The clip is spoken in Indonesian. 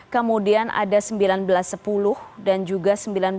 kemudian ada seribu sembilan ratus sepuluh dan juga seribu sembilan ratus dua belas